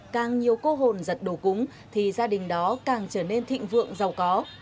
càng nhiều cô hồn giật đồ cúng thì gia đình đó càng trở nên thịnh vượng giàu có